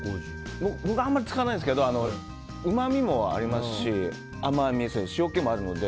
僕あまり使わないんですけどうまみもありますし甘み、塩けもあるので。